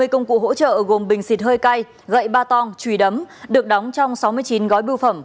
ba mươi công cụ hỗ trợ gồm bình xịt hơi cay gậy ba tong chùy đấm được đóng trong sáu mươi chín gói bưu phẩm